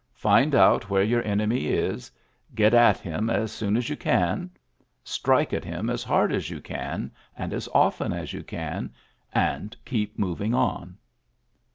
Find out where your enemy is. Get at him as soon as you can. Strike at him as hard as you can and as often as you can, and keep mov ing on."